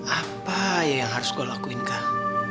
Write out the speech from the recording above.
apa yang harus gue lakuin kak